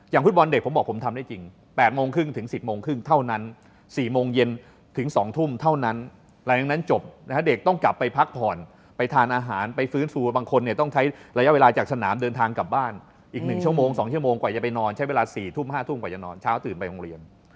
อย่างฟุตบอลเด็กผมบอกผมทำได้จริง๘โมงครึ่งถึง๑๐โมงครึ่งเท่านั้น